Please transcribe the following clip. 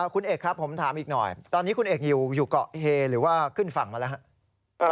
คุณเอกครับผมถามอีกหน่อยตอนนี้คุณเอกอยู่เกาะเฮหรือว่าขึ้นฝั่งมาแล้วครับ